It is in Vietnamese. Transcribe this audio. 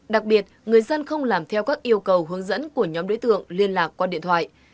đặc biệt người dân không làm theo các yêu cầu hướng dẫn của nhóm đối tượng liên lạc qua điện thoại